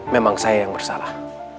memang saya yang bersalah